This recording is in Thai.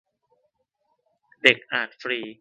เด็กอาจฟรี